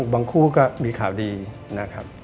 คู่ก็มีข่าวดีนะครับ